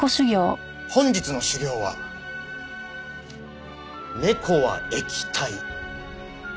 本日の修行は「ネコは液体」です。